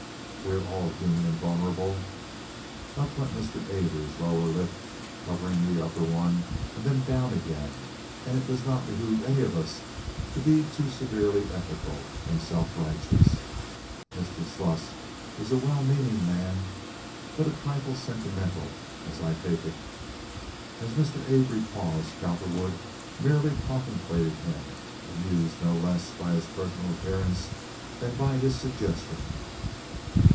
We are all human and vulnerable"—up went Mr. Avery's lower lip covering the upper one, and then down again—"and it does not behoove any of us to be too severely ethical and self righteous. Mr. Sluss is a well meaning man, but a trifle sentimental, as I take it." As Mr. Avery paused Cowperwood merely contemplated him, amused no less by his personal appearance than by his suggestion.